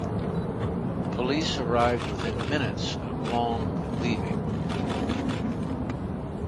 Police arrived within minutes of Long leaving.